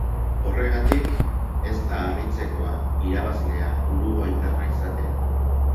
Horregatik, ez da harritzekoa irabazlea uruguaitarra izatea.